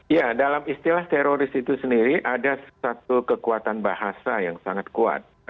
ya dalam istilah teroris itu sendiri ada satu kekuatan bahasa yang sangat kuat